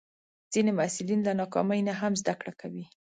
ځینې محصلین له ناکامۍ نه هم زده کړه کوي.